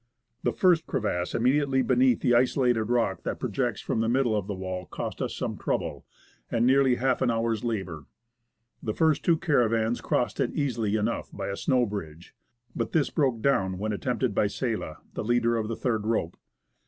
The first crevasse immediately beneath the isolated rock that projects from the middle of the wall cost us some trouble, and nearly half an hour's labour. The first two caravans crossed it easily enough by a snow bridge, but this broke down when attempted by Sella, the leader of the third rope.